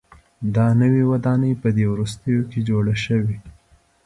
دا نوې ودانۍ په دې وروستیو کې جوړه شوې.